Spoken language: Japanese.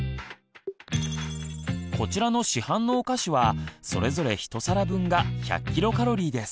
こちらの市販のお菓子はそれぞれ１皿分が１００ｋｃａｌです。